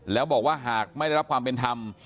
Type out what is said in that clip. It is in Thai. แล้วบอกว่าหากไม่ได้รับความเป็นธรรม